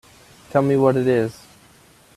Tell me what it is.